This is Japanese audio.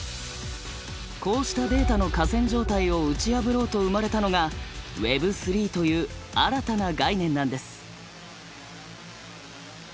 こうしたデータの寡占状態を打ち破ろうと生まれたのがＷｅｂ３という新たな概念なんです。